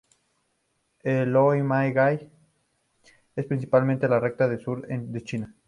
El "lo mai gai" es principalmente una receta del sur de China.